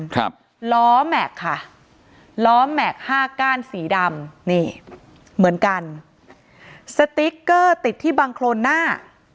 ครับล้อแม็กซ์ค่ะล้อแม็กซ์ห้าก้านสีดำนี่เหมือนกันสติ๊กเกอร์ติดที่บังโครนหน้า